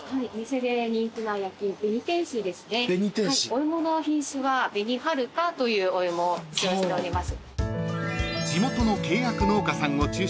お芋の品種が紅はるかというお芋を使用しております。